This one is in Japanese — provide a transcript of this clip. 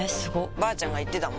ばあちゃんが言ってたもん